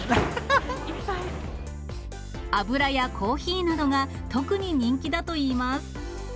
油やコーヒーなどが特に人気だといいます。